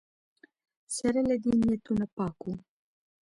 سره له دې نیتونه پاک وو